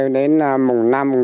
ba mươi đến mùng năm mùng sáu